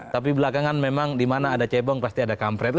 tapi belakangan memang dimana ada cebong pasti ada kampret